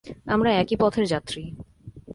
আমরা একই পথের যাত্রী।